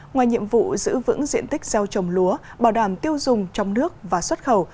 ngoài nhiệm vụ giữ vững diện tích gieo trồng lúa bảo đảm tiêu dùng trong nước và xuất khẩu